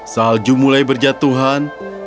salju mulai berjatuhan